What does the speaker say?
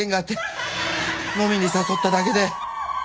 飲みに誘っただけで。